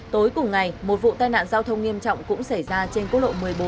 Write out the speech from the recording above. tối cùng ngày một vụ tai nạn giao thông nghiêm trọng cũng xảy ra trên quốc lộ một mươi bốn